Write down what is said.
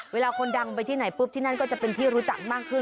เวลาคนดังไปที่ไหนปุ๊บที่นั่นก็จะเป็นที่รู้จักมากขึ้น